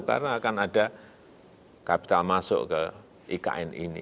karena akan ada capital masuk ke ikn ini